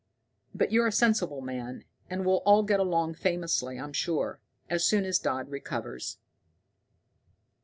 But you're a sensible man, and we'll all get along famously, I'm sure, as soon as Dodd recovers."